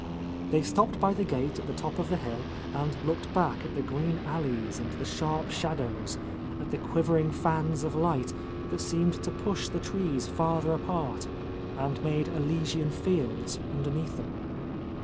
They stopped by the gate at the top of the hill and looked back at the green alleys and the sharp shadows, at the quivering fans of light that seemed to push the trees farther apart and made Elysian fields underneath them.